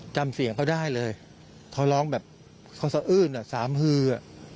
จำเสียงเขาได้เลยเขาร้องแบบเขาสะอื้นอ่ะสามฮือ